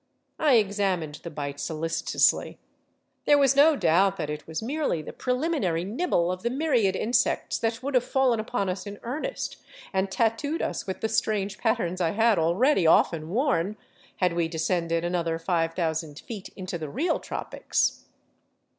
I examined the bite solicitously. There was no doubt that it was merely the preliminary nibble of the myriad insects that would have fallen upon us in earnest, and tattooed us with the strange patterns I had already often worn, had we descended an other five thousand feet into the real tropics.